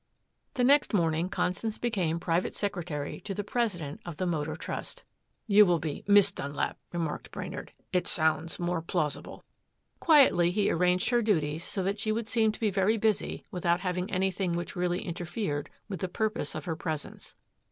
The next morning Constance became private secretary to the president of the Motor Trust. "You will be 'Miss' Dunlap," remarked Brainard. "It sounds more plausible." Quietly he arranged her duties so that she would seem to be very busy without having anything which really interfered with the purpose of her presence.